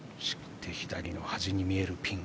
左の端に見えるピン。